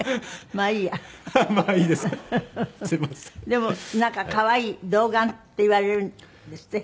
でもなんか可愛い童顔って言われるんですって？